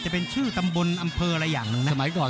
ผมจะไปก่อน